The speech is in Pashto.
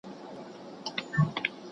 تاریخ باید د قومونو د حقایقو هنداره وي.